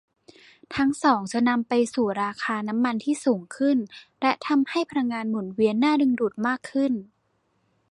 ทั้งสองจะนำไปสู่ราคาน้ำมันที่สูงขึ้นและทำให้พลังงานหมุนเวียนน่าดึงดูดมากขึ้น